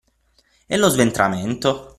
E lo sventramento?